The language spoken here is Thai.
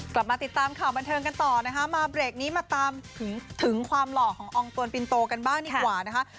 กลับมาติดตามข่าวบันเทิงกันต่อนะคะมาเบรกนี้มาตามถึงความหล่อของอองตวนปินโตกันบ้างดีกว่านะคะ